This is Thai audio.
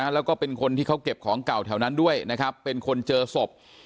แล้วก็เป็นคนที่เขาเก็บของเก่าแถวนั้นด้วยนะครับเป็นคนเจอศพ